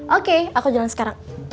oke aku jalan sekarang